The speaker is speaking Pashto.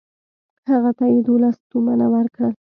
هغه ته یې دوولس تومنه ورکړل.